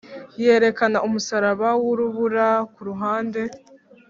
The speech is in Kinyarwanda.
yerekana umusaraba wurubura kuruhande.